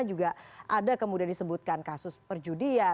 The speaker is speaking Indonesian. juga ada kemudian disebutkan kasus perjudian